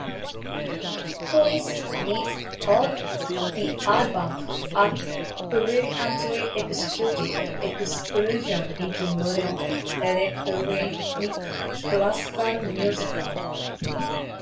Kris Needs called the album a "brilliantly executed excursion into modern electronic classical music".